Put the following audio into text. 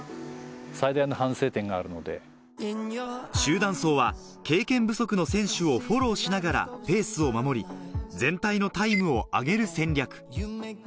集団走は経験不足の選手をフォローしながらペースを守り、全体のタイムを上げる戦略。